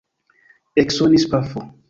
Eksonis pafo.